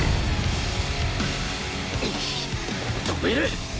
止める！